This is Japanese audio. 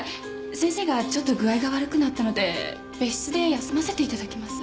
先生がちょっと具合が悪くなったので別室で休ませていただきます。